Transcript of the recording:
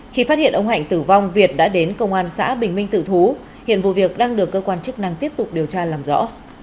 khi phát hiện ông hạnh tử vong việt đã đến công an xã bình minh tự thú hiện vụ việc đang được cơ quan chức năng tiếp tục điều tra làm rõ